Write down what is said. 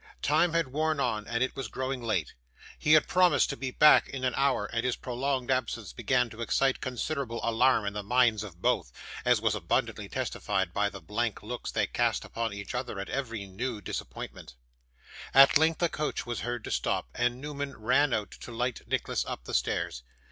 Time had worn on, and it was growing late. He had promised to be back in an hour; and his prolonged absence began to excite considerable alarm in the minds of both, as was abundantly testified by the blank looks they cast upon each other at every new disappointment. At length a coach was heard to stop, and Newman ran out to light Nicholas up the stairs.